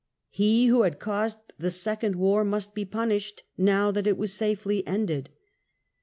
He who had caused the second war must be punished now that it was safely ended.